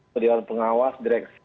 pendidikan pengawas direksi